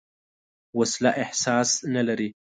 وسله احساس نه لري